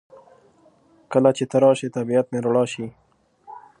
کله چې ته راشې طبیعت مې رڼا شي.